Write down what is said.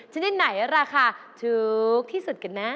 ชนิดไหนราคาถูกที่สุดกันนะ